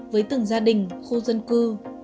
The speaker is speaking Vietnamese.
với từng gia đình khu dân cư